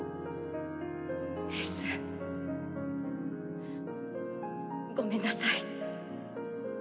エースごめんなさい。